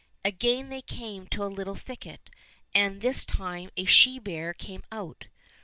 Again they came to a little thicket, and this time a she bear came out.